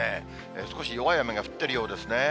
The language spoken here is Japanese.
少し弱い雨が降ってるようですね。